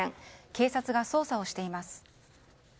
警察が捜査をしています。